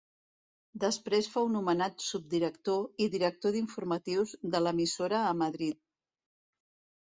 Després fou nomenat subdirector i director d'informatius de l'emissora a Madrid.